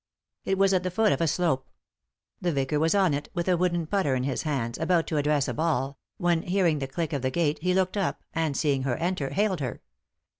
It was at the foot of a slope. The vicar was on it, with a wooden putter in his hands, about to address a ball, when, hearing the click of the gate, he looked up and, seeing her enter, hailed her.